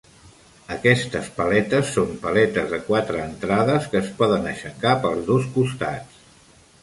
Aquestes paletes són paletes de quatre entrades, que es poden aixecar pels dos costats.